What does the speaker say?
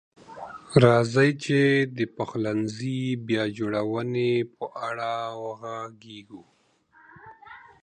راځئ چې د پخلنځي بیا جوړونې په اړه وغږیږو.